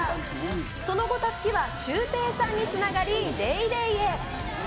その後、たすきはシュウペイさんにつながり、ＤａｙＤａｙ．へ。